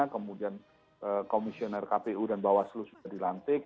kemudian komisioner kpu dan bawaslu sudah dilantik